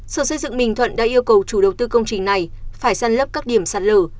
sở xây dựng bình thuận đã yêu cầu chủ đầu tư công trình này phải săn lấp các điểm sạt lở